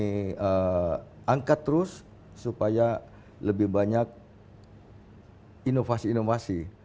kami angkat terus supaya lebih banyak inovasi inovasi